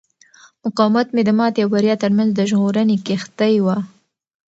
مقاومت مې د ماتې او بریا ترمنځ د ژغورنې کښتۍ وه.